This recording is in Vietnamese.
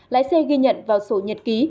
lái xe ghi nhận vào sổ nhật ký